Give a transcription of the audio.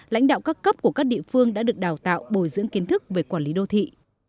lãnh đạo các cấp của các địa phương đã được đào tạo bồi dưỡng kiến thức về quản lý đô thị